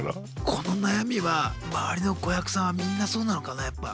この悩みは周りの子役さんはみんなそうなのかなやっぱ。